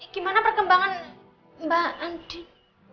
gimana perkembangan mbak andien